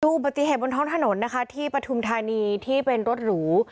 ตู้ปฏิเหตุบนท้องถนนที่ปฐุมธานีที่เป็นรถหรู